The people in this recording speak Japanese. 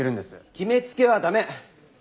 決めつけは駄目。